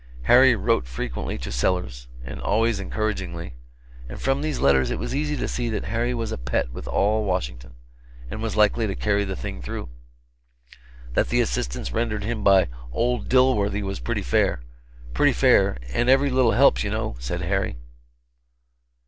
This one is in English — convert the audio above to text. Harry wrote frequently to Sellers, and always encouragingly; and from these letters it was easy to see that Harry was a pet with all Washington, and was likely to carry the thing through; that the assistance rendered him by "old Dilworthy" was pretty fair pretty fair; "and every little helps, you know," said Harry.